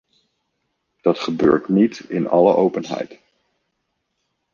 Dat gebeurt niet in alle openheid.